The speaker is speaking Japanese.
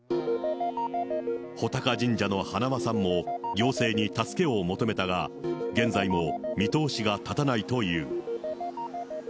武尊神社の花輪さんも、行政に助けを求めたが、現在も見通しが立たないという。